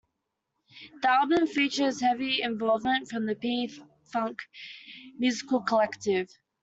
The album features heavy involvement from the P-Funk musical collective.